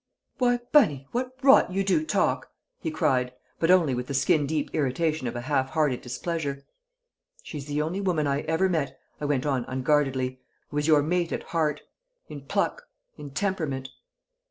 "Why, Bunny? What rot you do talk!" he cried, but only with the skin deep irritation of a half hearted displeasure. "She's the only woman I ever met," I went on unguardedly, "who was your mate at heart in pluck in temperament!"